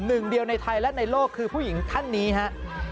หนึ่งเดียวในไทยและในโลกคือผู้หญิงท่านนี้ครับ